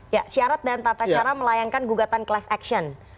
ya syarat dan tata cara melayangkan gugatan class action